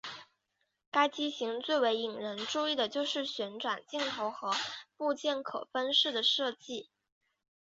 该机型最为引人注意的就是旋转镜头和部件可分式的设计。